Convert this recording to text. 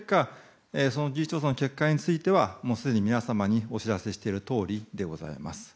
事実調査の結果についてはもうすでに皆様にお知らせしているとおりでございます。